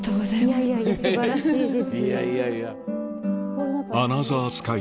いやいや素晴らしいです。